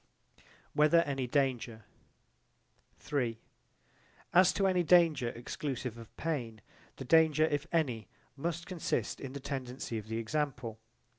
Whether any danger As to any danger exclusive of pain, the danger, if any, must consist in the tendency of the example.